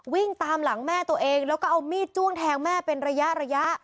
วิ่งตามหลังแม่ตัวเองแล้วก็เอามีดจ้วงแทงแม่เป็นระยะระยะ